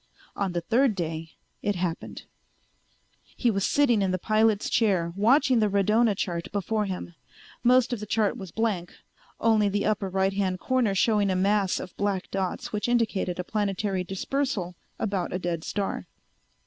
On the third day it happened. He was sitting in the pilot's chair, watching the radona chart before him. Most of the chart was blank, only the upper right hand corner showing a mass of black dots which indicated a planetary dispersal about a dead star.